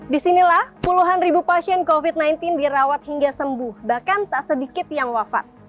disinilah puluhan ribu pasien covid sembilan belas dirawat hingga sembuh bahkan tak sedikit yang wafat